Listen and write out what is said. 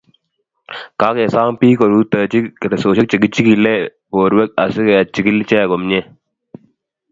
kakesom biik korutoichi ketesiosiek chekichikilee borwek asi kechigil ichee komie